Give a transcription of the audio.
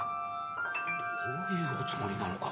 どういうおつもりなのか？